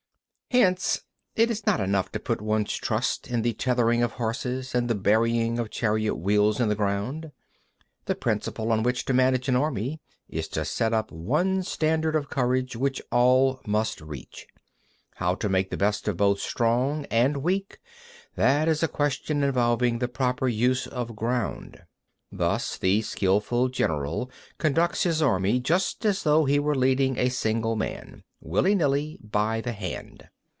31. Hence it is not enough to put one's trust in the tethering of horses, and the burying of chariot wheels in the ground. 32. The principle on which to manage an army is to set up one standard of courage which all must reach. 33. How to make the best of both strong and weak—that is a question involving the proper use of ground. 34. Thus the skilful general conducts his army just as though he were leading a single man, willy nilly, by the hand.